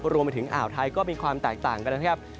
รวมไปถึงอ่าวไทยก็มีความแตกต่างกันนะครับ